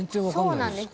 そうなんです